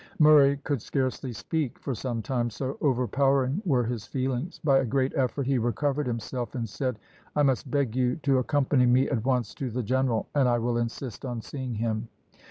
Murray could scarcely speak for some time, so overpowering were his feelings. By a great effort he recovered himself, and said, "I must beg you to accompany me at once to the general, and I will insist on seeing him."